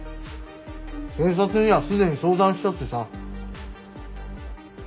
警察には既に相談したってさ。